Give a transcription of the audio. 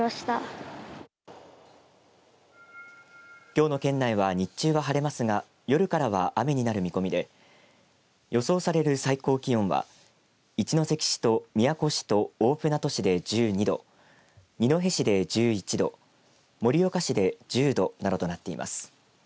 きょうの県内は日中は晴れますが夜からは雨になる見込みで予想される最高気温は一関市と宮古市と大船渡市で１２度二戸市で１１度盛岡市で１０度などとなっています。